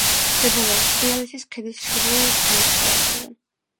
მდებარეობს თრიალეთის ქედის ჩრდილოეთ განშტოებაზე.